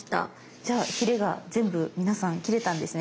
じゃあヒレが全部皆さん切れたんですね？